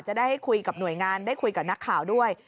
จะได้คุยกับหน่วยงานได้คุยกับนักข่าวด้วย